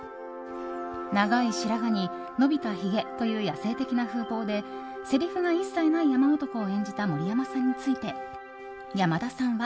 長い白髪に伸びたひげという野性的な風貌でせりふが一切ない山男を演じた森山さんについて、山田さんは。